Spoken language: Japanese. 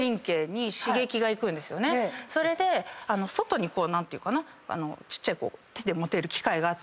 それで外にちっちゃい手で持てる機械があって。